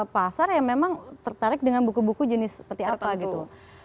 pasar yang memang tertarik dengan buku buku jenis seperti apa gitu